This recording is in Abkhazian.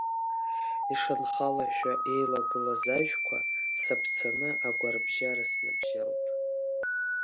Ишанхалашәа еилагылаз ажәқәа саԥцаны агәарабжьара сныбжьалт.